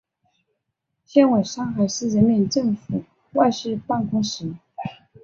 现为上海市人民政府外事办公室。